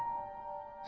え？